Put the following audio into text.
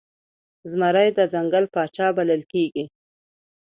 زمری د ځنګل پاچا بلل کېږي.